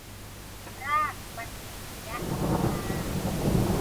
ราชบัณฑิตยสภา